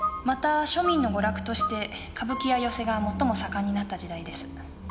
また庶民の娯楽として歌舞伎や寄席が最も盛んになった時代です。